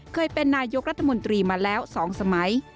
เคยเป็นนายกรัฐมนตรีมาแล้ว๒สมัย